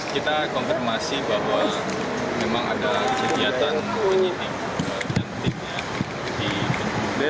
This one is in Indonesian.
kita konfirmasi bahwa memang ada kegiatan penyidik